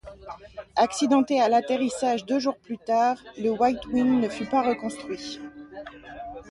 Accidenté à l’atterrissage deux jours plus tard, le White Wing ne fut pas reconstruit.